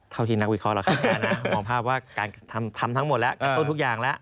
เท่าที่นักวิเคราะห์เราคิดกันนะมองภาพว่าการทำทั้งหมดแล้วทำต้นทุกอย่างแล้ว